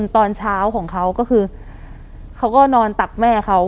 ตอนเช้าของเขาก็คือเขาก็นอนตักแม่เขา